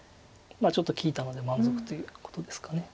ちょっと利いたので満足ということですか。